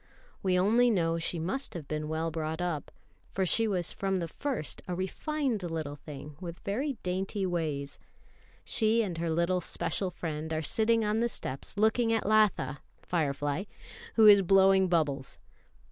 We only know she must have been well brought up, for she was from the first a refined little thing with very dainty ways. She and her little special friend are sitting on the steps looking at Latha (Firefly), who is blowing bubbles.